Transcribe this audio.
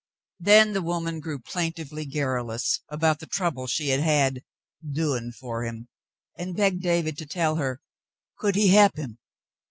Then the woman grew plaintively garrulous about the trouble she had had "doin' fer him," and begged David to tell her "could he he'p 'im."